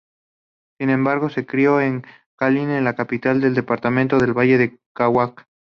Sin embargo, se crio en Cali, la capital del departamento del Valle del Cauca.